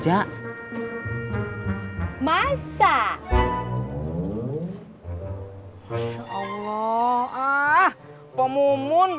ah pak mumun